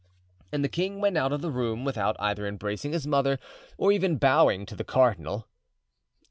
And the king went out of the room without either embracing his mother or even bowing to the cardinal.